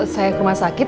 saya ke rumah sakit